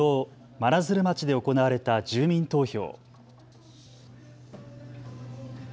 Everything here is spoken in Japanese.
真鶴町で行われた住民投票。